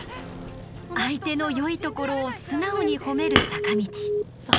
相手の良いところを素直に褒める坂道。